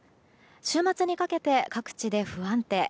週末にかけて各地で不安定。